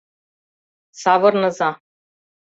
Савырныза.